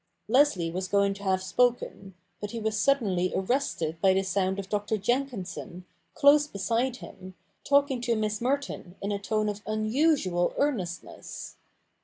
Leslie was going to have spoken ; but he was suddenly arrested by the sound of Dr. Jenkinson, close beside him, talking to Miss Merton in a tone of unusual earnestness.